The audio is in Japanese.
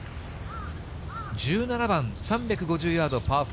１７番、３５０ヤードパー４。